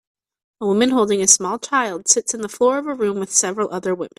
A woman holding a small child sits in the floor of a room with several other women.